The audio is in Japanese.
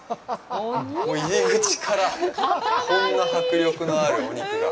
もう入り口からこんな迫力のあるお肉が。